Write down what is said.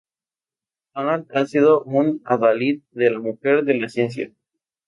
Donald ha sido un adalid de la mujer en la ciencia.